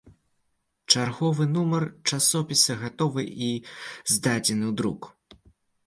Чарговы нумар часопіса гатовы і здадзены ў друк.